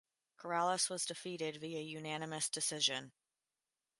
Corrales was defeated via unanimous decision.